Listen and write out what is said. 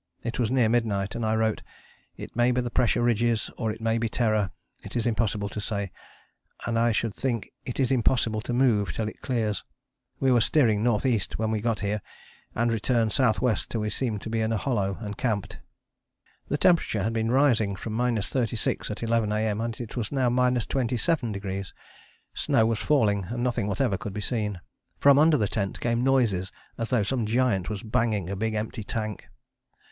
It was near midnight, and I wrote, "it may be the pressure ridges or it may be Terror, it is impossible to say, and I should think it is impossible to move till it clears. We were steering N.E. when we got here and returned S.W. till we seemed to be in a hollow and camped." The temperature had been rising from 36° at 11 A.M. and it was now 27°; snow was falling and nothing whatever could be seen. From under the tent came noises as though some giant was banging a big empty tank.